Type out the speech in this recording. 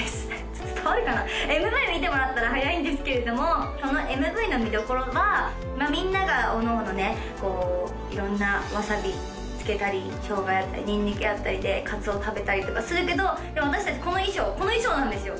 ちょっと伝わるかなＭＶ見てもらったら早いんですけれどもこのＭＶの見どころはみんながおのおのねこう色んなわさびつけたりしょうがやったりニンニクやったりで鰹を食べたりとかするけどでも私達この衣装この衣装なんですよ